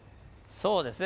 そうですね。